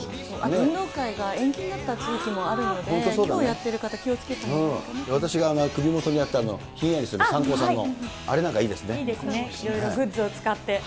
運動会が延期になった地域もあるので、きょうやってる方、私が首にやった、ひんやりする、いいですね、いろいろグッズを使って。